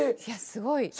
いやすごい。